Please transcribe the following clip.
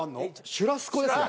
シュラスコですね。